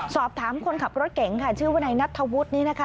สอบถามคนขับรถเก๋งค่ะชื่อวนายนัทธวุฒินี่นะคะ